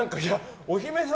お姫様